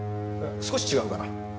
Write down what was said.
少し違うかな。